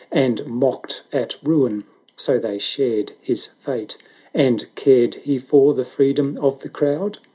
And mocked at Ruin so they shared his fate. And cared he for the freedom of the crowd